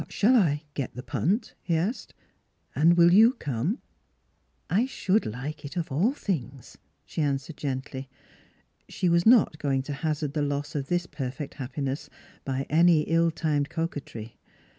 " Shall I get the punt ?" he asked ;" and will you come ?" "I should like it of all things," she answered gently. She was not going to hazard the loss of this perfect happiness by any ill timed coquetry.